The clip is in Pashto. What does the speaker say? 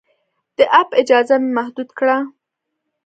د اپ اجازه مې محدود کړه.